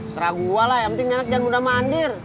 serah gua lah yang penting enak jangan mudah mandir